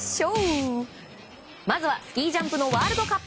まずはスキージャンプのワールドカップ。